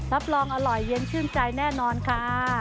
รับรองอร่อยเย็นชื่นใจแน่นอนค่ะ